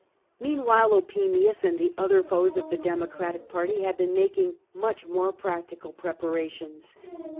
Meanwhile Opimius and the other foes of the Demo F 82 CAIUS GRACCHUS cratic party had been making much more practical pre* parations.